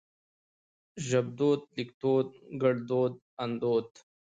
ژبدود ليکدود ګړدود اندود